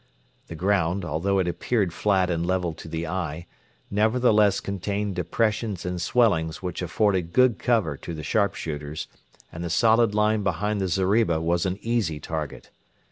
The ground, although it appeared flat and level to the eye, nevertheless contained depressions and swellings which afforded good cover to the sharpshooters, and the solid line behind the zeriba was an easy target.